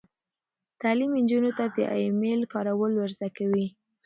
تعلیم نجونو ته د ای میل کارول ور زده کوي.